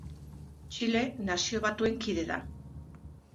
Txile Nazio Batuen kide da.